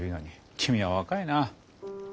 君は若いな。